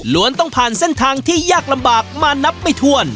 ต้องผ่านเส้นทางที่ยากลำบากมานับไม่ถ้วน